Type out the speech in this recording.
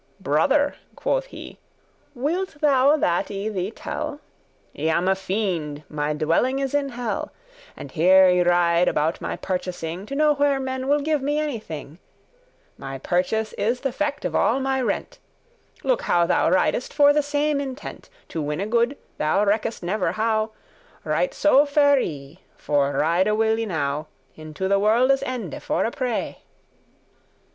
"Brother," quoth he, "wilt thou that I thee tell? I am a fiend, my dwelling is in hell, And here I ride about my purchasing, To know where men will give me any thing. *My purchase is th' effect of all my rent* *what I can gain is my Look how thou ridest for the same intent sole revenue* To winne good, thou reckest never how, Right so fare I, for ride will I now Into the worlde's ende for a prey."